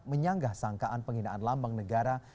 menyanggah sangkaan penghinaan lambang negara